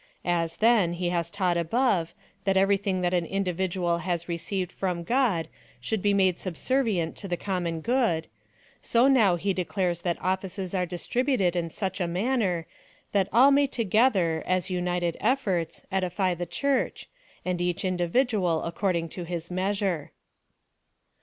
As, then, he has taught above, that everything that an individual has received from God, should be made subservient to the common good, so now he declares that offices are distributed in such a manner, that all may to gether, by united efforts, edify the Church, and each indi vidual according to his measure.